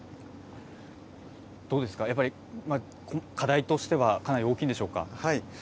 どうですか、やっぱり課題としてはかなり大きいんでしょうか。